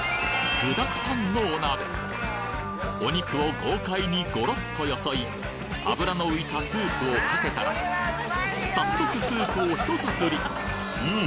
具だくさんのお鍋お肉を豪快にゴロッとよそい脂の浮いたスープをかけたらさっそくスープをひとすすりうん。